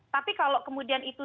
tapi kalau kemudian itu